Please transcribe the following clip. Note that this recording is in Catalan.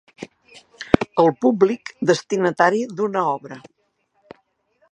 El públic destinatari d'una obra.